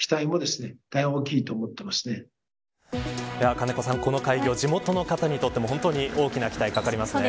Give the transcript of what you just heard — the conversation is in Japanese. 金子さん、この開業地元の方にとても大きな期待、かかりますね。